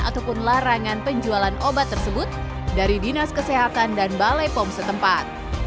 ataupun larangan penjualan obat tersebut dari dinas kesehatan dan balai pom setempat